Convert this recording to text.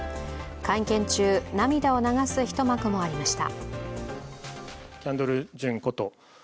会見中涙を流す一幕もありました。